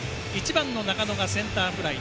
１番の中野がセンターフライ。